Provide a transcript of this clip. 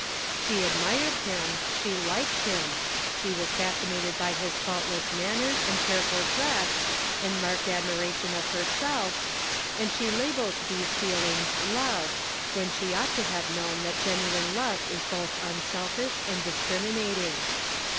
She admired him, she liked him, she was fascinated by his faultless" man ners and careful dress, and marked ad miration of herself, and she labelled these feel ings "love," when she ought to have known that genuine love is both unse]fish and dis criminating.